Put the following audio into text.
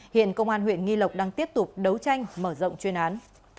hiện công an huyện nghi lộc đang tiếp tục đấu tranh mở rộng chuyên án